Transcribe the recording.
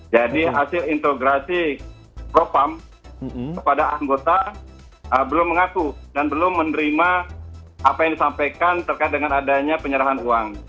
jadi hasil integrasi propamp kepada anggota belum mengaku dan belum menerima apa yang disampaikan terkait dengan adanya penyerahan uang